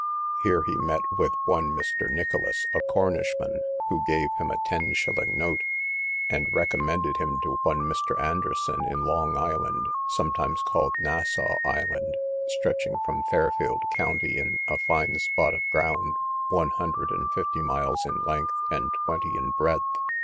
Here he met with one Mr. Nicholas, a Cornish man, who gave him a ten shilling bill, and recommended him to one Mr. Anderson, in Long island, sometimes called Nassau island, stretching from Fairfield county, in a fine spot of ground, one hundred and fifty miles in length, and twenty in breadth.